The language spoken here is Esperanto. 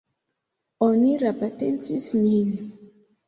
Oni rabatencis min!